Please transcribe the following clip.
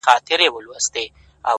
سیاه پوسي ده; مرگ خو یې زوی دی;